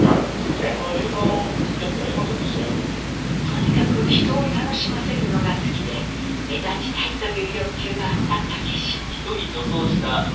とにかく人を楽しませるのが好きで目立ちたいという欲求があった武司。